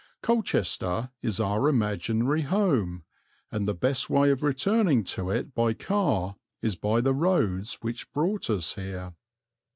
Colchester is our imaginary home, and the best way of returning to it by car is by the roads which brought us here.